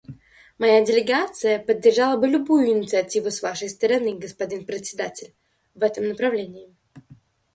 Моя делегация поддержала бы любую инициативу с Вашей стороны, господин Председатель, в этом направлении.